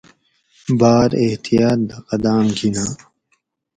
باۤر احتیاۤط دہ قداۤم گِھینا